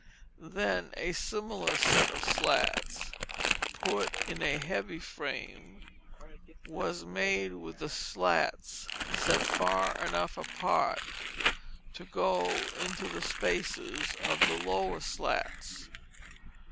Then a similar set of slats, put in a heavy frame, was made with the slats set far enough apart to go into the spaces of the lower slats.